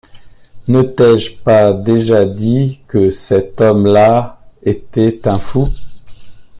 Ne t’ai-je pas déjà dit que cet homme-là était un fou!